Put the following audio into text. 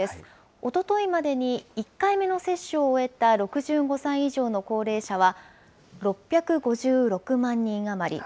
おとといまでに１回目の接種を終えた６５歳以上の高齢者は６５６万人余り。